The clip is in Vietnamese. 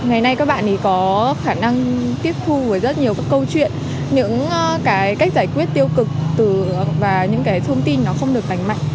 ngày nay các bạn có khả năng tiếp thu với rất nhiều câu chuyện những cách giải quyết tiêu cực và những thông tin không được đánh mạnh